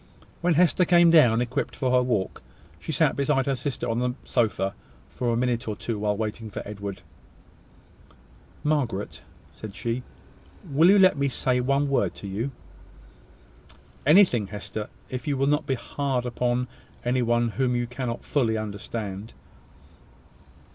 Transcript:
When Hester came down, equipped for her walk, she sat beside her sister on the sofa for a minute or two, while waiting for Edward. "Margaret," said she, "will you let me say one word to you?" "Anything, Hester, if you will not be hard upon any one whom you cannot fully understand."